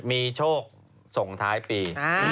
มีโชคส่งท้ายปี